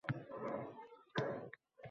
Men undan judayam mamnunman